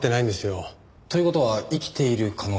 という事は生きている可能性も？